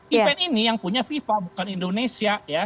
event ini yang punya fifa bukan indonesia ya